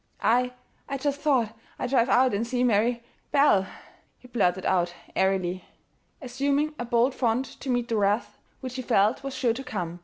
"I I just thought I'd drive out and see Mary Belle," he blurted out airily, assuming a bold front to meet the wrath which he felt was sure to come.